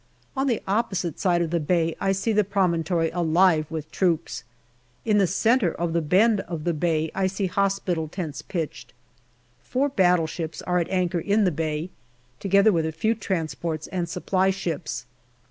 On the opposite side of the bay I see the promontory alive with troops. In the centre of the bend of the bay I see hospital tents pitched. Four battleships are at anchor in the bay, together with a few transports and Supply ships.